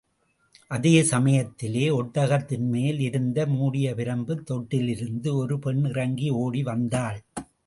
அதே சம்யத்திலே, ஒட்டகத்தின் மேல் இருந்த மூடிய பிரம்புத் தொட்டிலிலிருந்து, ஒரு பெண் இறங்கி ஓடி வந்தாள்.